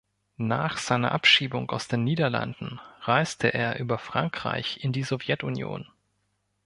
Nach seiner Abschiebung aus den Niederlanden reiste er über Frankreich in die Sowjetunion.